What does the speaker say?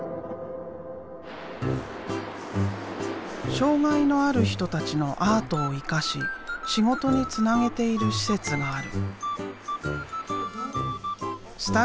障害のある人たちのアートを生かし仕事につなげている施設がある。